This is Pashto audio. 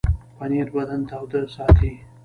پنېر بدن تاوده ساتي.